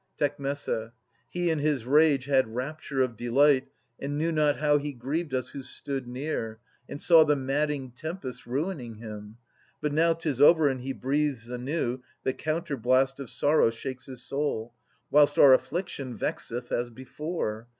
Tec He in his rage had rapture of delight And knew not how he grieved us who stood near And saw the madding tempest ruining him. But now 'tis over and he breathes anew, The counterblast of sorrow shakes his soul, Whilst our affliction vexeth as before.